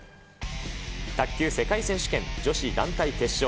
卓球世界選手権、女子団体決勝。